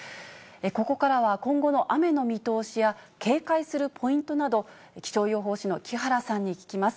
ここからは、今後の雨の見通しや警戒するポイントなど、気象予報士の木原さんに聞きます。